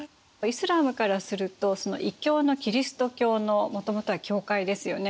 イスラームからすると異教のキリスト教のもともとは教会ですよね。